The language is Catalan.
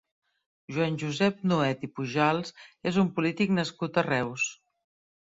Joan Josep Nuet i Pujals és un polític nascut a Reus.